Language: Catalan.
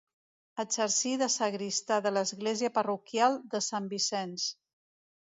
Exercí de sagristà de l'església parroquial de Sant Vicenç.